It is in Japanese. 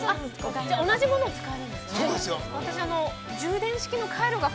◆じゃあ、同じものを使えるんですね。